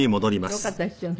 よかったですよね。